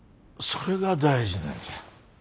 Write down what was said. それが大事なのじゃ。